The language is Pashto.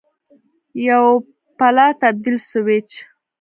یو پله تبدیل سویچ